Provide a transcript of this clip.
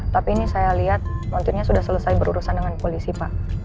tapi ini saya lihat montirnya sudah selesai berurusan dengan polisi pak